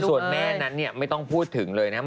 ส่วนแม่นั้นเนี่ยไม่ต้องพูดถึงเลยนะครับ